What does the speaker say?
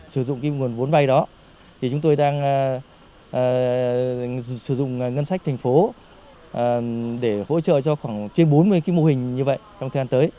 sử dụng cái nguồn vốn vay đó thì chúng tôi đang sử dụng ngân sách thành phố để hỗ trợ cho khoảng trên bốn mươi cái mô hình như vậy trong thời gian tới